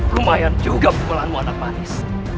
lumayan juga pukulanmu anak manis